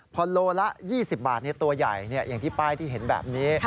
พอโลละ๒๐บาทตัวใหญ่อย่างที่ป้ายที่เห็นแบบนี้